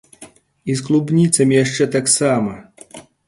І з клубніцамі яшчэ таксама!